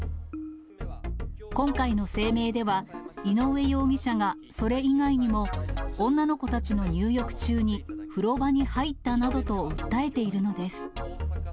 今回の声明では、井上容疑者がそれ以外にも、女の子たちの入浴中に、風呂場に入ったなどと訴えているのです。